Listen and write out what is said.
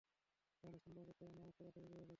তাহলে সন্দেহ করতেন এবং নামায পড়া থেকে বিরত থাকতেন।